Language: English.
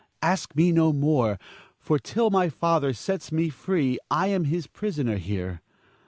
Ask me no more; for till thy father sets me free, I am his prisoner here.